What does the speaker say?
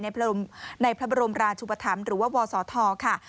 พระบรมราชุปธรรมหรือว่าวศธค่ะ